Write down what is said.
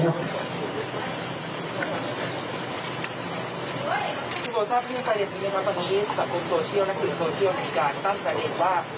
คุณบอร์รู้จักกับใครในที่นี้ครับตอนนี้สถานการณ์โซเชียลนักศึกษ์โซเชียลมีการตั้งใจได้ว่า